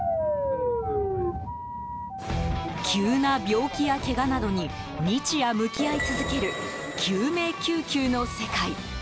急な病気やけがなどに日夜、向き合い続ける救命救急の世界。